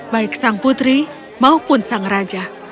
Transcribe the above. baik sang putri maupun sang raja